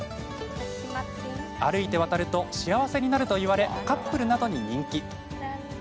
歩いて渡ると幸せになると言われカップルなどに人気。